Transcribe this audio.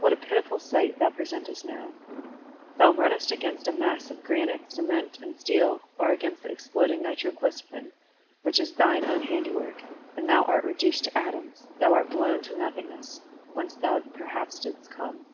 What a pitiful sight thou presentest now! Thou runnest against a mass of granite, cement, and steel, or against the exploding nitroglycerin, which is thine own handiwork, and thou art reduced to atoms, thou art blown to nothingness, whence thou perhaps didst come.